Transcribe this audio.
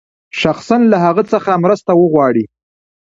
شخصاً له هغه څخه مرسته وغواړي.